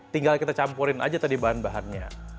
tinggal kita campurin aja tadi bahan bahannya